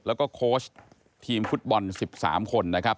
แล้วก็โค้ชทีมฟุตบอล๑๓คนนะครับ